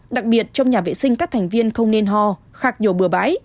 đặc biệt trong nhà vệ sinh các thành viên không nên ho khạc nhổ bừa bãi